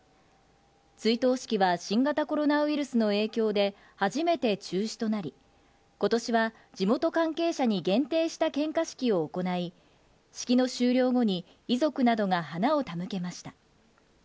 追悼式は新型コロナウイルスの影響で、初めて中止となり、ことしは地元関係者に限定した献花式を行い、式の終了後に、遺族などが花を手向けました。